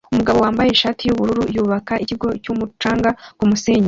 Umugabo wambaye ishati yubururu yubaka ikigo cyumucanga kumusenyi